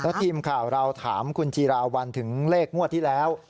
ทีมข่าวเราถามคุณจีราวัลถึงเลขงวดที่แล้ว